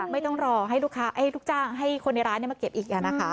ไม่ต้องรอให้ลูกจ้างให้คนในร้านมาเก็บอีก